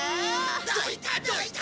どいたどいた！